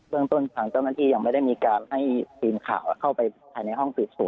เบื้องต้นฐานเจ้าหน้าที่ยังไม่ได้มีการให้ฟิร์มข่าวเข้าไปในห้องปิดส่วน